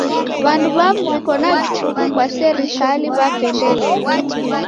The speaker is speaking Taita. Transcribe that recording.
W'andu w'amu w'iko na vichuku kwa serikali w'apendelelwa.